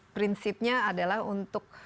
prinsipnya adalah untuk